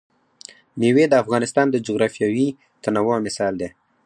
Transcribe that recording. مېوې د افغانستان د جغرافیوي تنوع مثال دی.